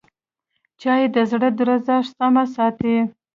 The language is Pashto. چای د زړه درزا سمه ساتي